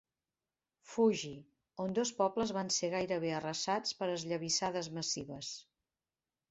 Fuji, on dos pobles van ser gairebé arrasats per esllavissades massives.